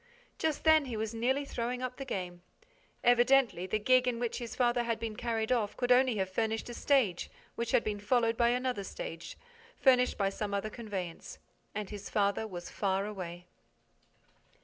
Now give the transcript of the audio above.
Just then, he was nearly throwing up the game. Evidently, the gig in which his father had been carried off could only have furnished a stage, which had been followed by another stage, furnished by some other conveyance. And his father was far away.